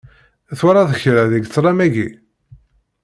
Twalaḍ kra deg ṭlam-agi?